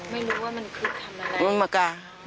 ไม่รู้ว่ามันคือทำอะไร